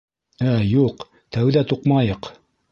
— Ә юҡ, тәүҙә туҡмайыҡ!